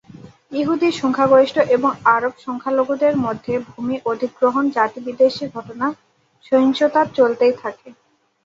ইহুদি সংখ্যাগরিষ্ঠ এবং আরব সংখ্যালঘুদের মধ্যে ভূমি অধিগ্রহণ, জাতিবিদ্বেষী ঘটনা, সহিংসতা চলতেই থাকে।